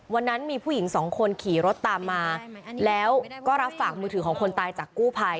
วันนั้นมีผู้หญิงสองคนขี่รถตามมาแล้วก็รับฝากมือถือของคนตายจากกู้ภัย